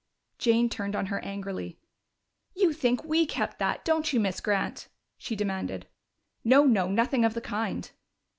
Jane turned on her angrily. "You think we kept that, don't you, Miss Grant?" she demanded. "No, no! Nothing of the kind!"